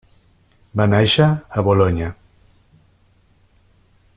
Va nàixer a Bolonya.